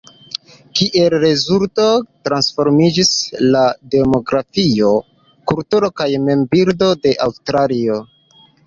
Kiel rezulto transformiĝis la demografio, kulturo kaj mem-bildo de Aŭstralio.